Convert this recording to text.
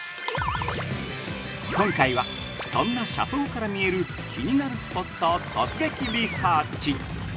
今回はそんな車窓から見える気になるスポットを突撃リサーチ！！